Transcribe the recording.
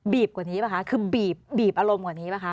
บีบกว่านี้ไหมคะคือบีบอารมณ์กว่านี้ไหมคะ